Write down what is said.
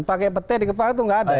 pakai petai di kepala itu gak ada